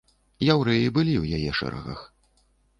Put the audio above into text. Яўрэі былі ў яе шэрагах.